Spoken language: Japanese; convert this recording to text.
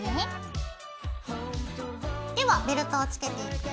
ではベルトをつけていくよ。